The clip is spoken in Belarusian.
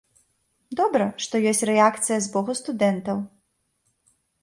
Добра, што ёсць рэакцыя з боку студэнтаў.